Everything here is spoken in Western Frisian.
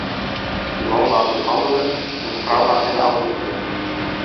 De man waard mishannele en de frou waard tsjin de auto treaun.